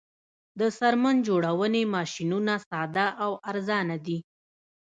د څرمن جوړونې ماشینونه ساده او ارزانه دي